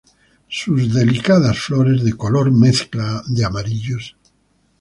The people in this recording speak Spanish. Sus delicadas flores de color mezcla de amarillos.